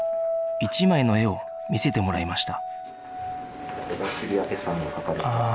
１枚の絵を見せてもらいました